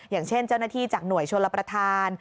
อย่างเช่นเจ้าหน้าที่จากหน่วยชนรับประทาน